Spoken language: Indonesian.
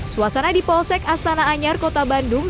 suasana di polsek astana anyar kota bandung